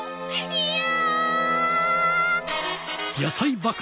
いや！